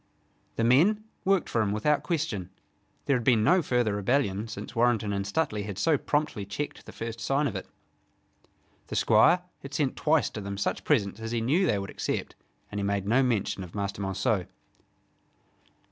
The men worked for him without question. There had been no further rebellion since Warrenton and Stuteley had so promptly checked the first sign of it. The Squire had sent twice to them such presents as he knew they would accept, and he made no mention of Master Monceux.